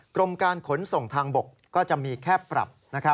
กรมการขนส่งทางบกก็จะมีแค่ปรับ